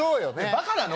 バカなの？